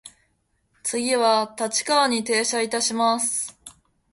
次は立川に停車いたします。